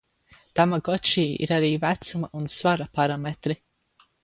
Tamagoči ir arī vecuma un svara parametri.